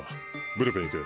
ブルペン行け。